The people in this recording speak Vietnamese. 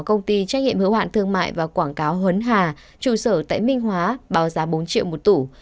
chỉ có công ty trách nhiệm hữu hạn thương mại và quảng cáo huấn hà trụ sở tại minh hóa bảo giá bốn triệu một tủ